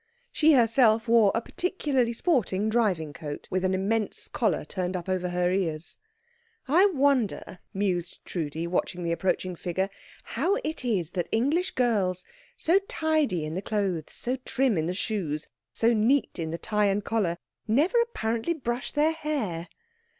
She herself wore a particularly sporting driving coat, with an immense collar turned up over her ears. "I wonder," mused Trudi, watching the approaching figure, "how it is that English girls, so tidy in the clothes, so trim in the shoes, so neat in the tie and collar, never apparently brush their hair.